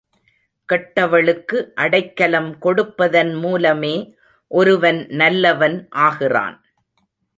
கெட்டவளுக்கு அடைக்கலம் கொடுப்பதன் மூலமே ஒருவன் நல்லவன் ஆகிறான்.